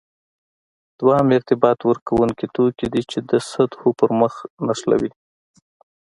دویم ارتباط ورکوونکي توکي دي چې د سطحو پرمخ نښلوي.